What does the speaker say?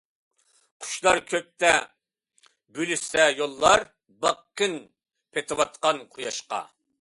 قۇشلار كۆكتە بۆلۈشسە يوللار، باققىن پېتىۋاتقان قۇياشقا.